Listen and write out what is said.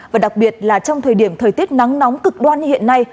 và đặc biệt là trong thời điểm thời tiết nắng nóng cực đoan như hiện nay